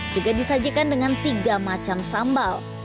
juga disajikan dengan tiga macam sambal